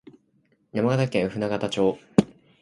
山形県舟形町